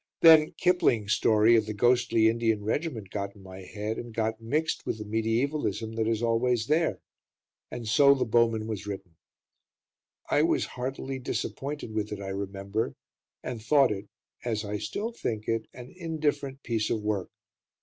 Then Kipling's story of the ghostly Indian regiment got in my head and got mixed with the mediævalism that is always there; and so "The Bowmen" was written. I was heartily disappointed with it, I remember, and thought it as I still think it an indifferent piece of work.